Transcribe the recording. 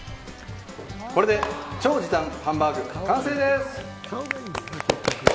これで超時短ハンバーグ完成です。